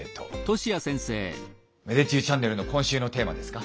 芽出中チャンネルの今週のテーマですか？